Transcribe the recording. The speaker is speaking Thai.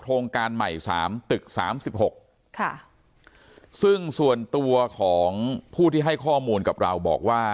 การใหม่สามตึกสามสิบหกค่ะซึ่งส่วนตัวของผู้ที่ให้ข้อมูลกับเราบอกว่า